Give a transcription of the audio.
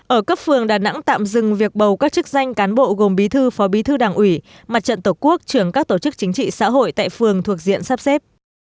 ở cấp phường đà nẵng tạm dừng việc bầu các chức danh cán bộ gồm bí thư phó bí thư đảng ủy mặt trận tổ quốc trưởng các tổ chức chính trị xã hội tại phường thuộc diện sắp xếp